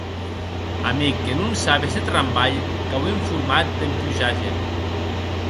Amic, que non sabes eth rambalh qu’auem format dempús ager.